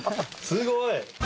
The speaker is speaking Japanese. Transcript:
すごい！